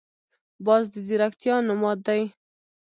باز د ځیرکتیا نماد دی